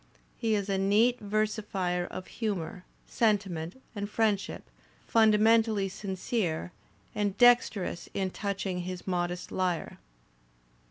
He is a neat ver sifier of humour, sentiment, and friendship, fundamentally sincere and dexterous in touching his modest lyre.